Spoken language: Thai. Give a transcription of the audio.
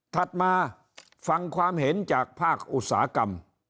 มาฟังความเห็นจากภาคอุตสาหกรรม